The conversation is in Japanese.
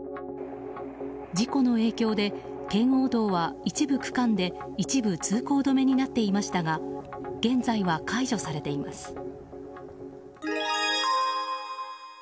事故の影響で圏央道は一部区間で一部通行止めとなっていましたが現在は解除されています。